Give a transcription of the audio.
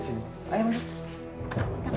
tidak ada apa apa